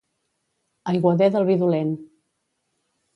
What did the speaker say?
Aiguader del vi dolent.